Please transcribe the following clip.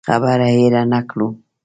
خبره هېره نه کړو.